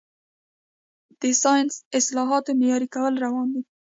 د ساینسي اصطلاحاتو معیاري کول روان دي.